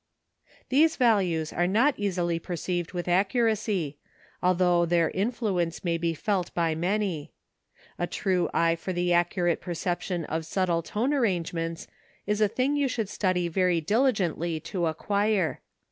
These values are not easily perceived with accuracy, although their influence may be felt by many. A true eye for the accurate perception of subtle tone arrangements is a thing you should study very diligently to acquire.